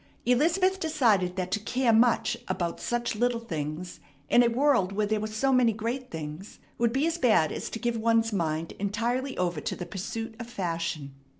Elizabeth decided that to care much about such little things, in a world where there were so many great things, would be as bad as to give one's mind entirely over to the pursuit of fashion.